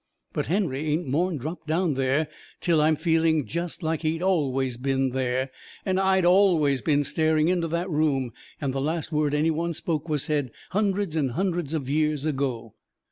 But Henry ain't more'n dropped down there till I'm feeling jest like he'd ALWAYS been there, and I'd ALWAYS been staring into that room, and the last word any one spoke was said hundreds and hundreds of years ago.